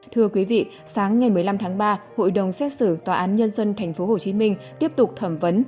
thưa quý vị sáng ngày một mươi năm tháng ba hội đồng xét xử tòa án nhân dân tp hcm tiếp tục thẩm vấn